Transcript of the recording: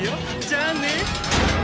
じゃあね！